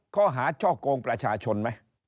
ข้อหาช่อกงประชาชนไหม